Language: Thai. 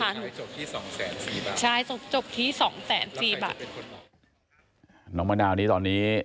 น้องมะนาวนี้ตอนนี้